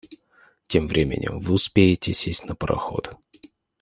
Тем временем вы успеете сесть на пароход.